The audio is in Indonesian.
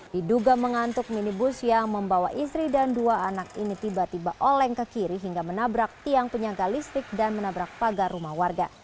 diduga mengantuk minibus yang membawa istri dan dua anak ini tiba tiba oleng ke kiri hingga menabrak tiang penyangga listrik dan menabrak pagar rumah warga